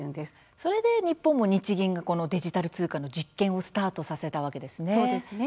それで日本も日銀がデジタル通貨の実験をスタートさせたわけですね。